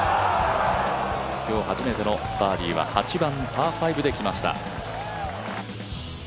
今日初めてのバーディーは８番パー５で来ました。